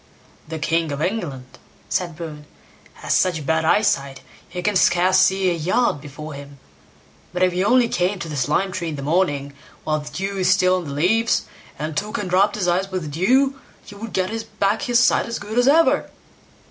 "The king of England", said Bruin, "has such bad eyesight, he can scarce see a yard before him; but if he only came to this lime tree in the morning, while the dew is still on the leaves, and took and rubbed his eyes with the dew, he would get back his sight as good as ever."